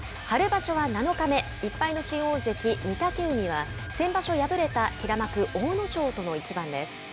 春場所は７日目１敗の新大関・御嶽海は先場所敗れた平幕阿武咲との一番です。